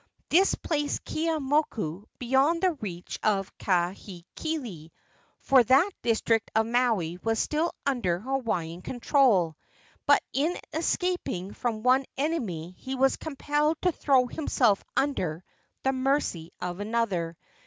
This placed Keeaumoku beyond the reach of Kahekili, for that district of Maui was still under Hawaiian control; but in escaping from one enemy he was compelled to throw himself upon the mercy of another.